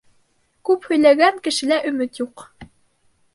Күп һөйләгән кешелә өмөт юҡ.